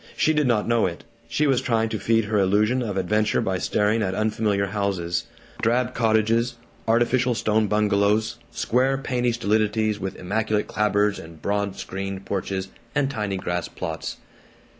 She did not know it. She was trying to feed her illusion of adventure by staring at unfamiliar houses ... drab cottages, artificial stone bungalows, square painty stolidities with immaculate clapboards and broad screened porches and tidy grass plots.